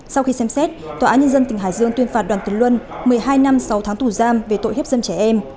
sau khi xem xét tòa án nhân dân tỉnh hải dương tuyên phạt đoàn tiến luân một mươi hai năm sáu tháng tù giam về tội hiếp dâm trẻ em